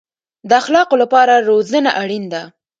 د اخلاقو لپاره روزنه اړین ده